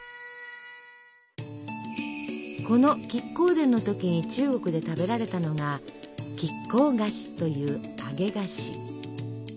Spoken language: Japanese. この乞巧の時に中国で食べられたのが「乞巧果子」という揚げ菓子。